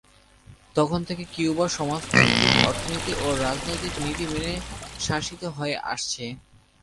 তখন থেকে কিউবা সমাজতান্ত্রিক অর্থনীতি ও রাজনৈতিক নীতি মেনে শাসিত হয়ে আসছে।